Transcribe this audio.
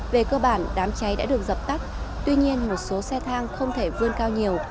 về cơ bản đám cháy đã được dập tắt tuy nhiên một số xe thang không thể vươn cao nhiều